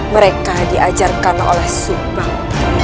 mereka diajarkan oleh subang